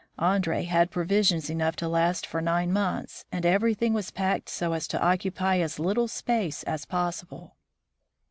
Andree had provisions enough to last for nine months, and everything was packed so as to occupy as little space as possible.